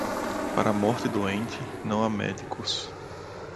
Para a morte doente, não há médicos.